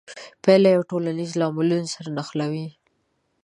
پایله یې ټولنیزو لاملونو سره نښلوي.